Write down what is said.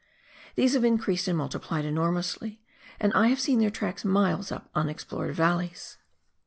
These have increased and multiplied enormously, and I have seen their tracks miles up unexplored vallej^s.